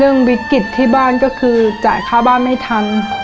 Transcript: เรื่องวิกฤติที่บ้านก็คือจ่ายค่าบ้านไม่ถอย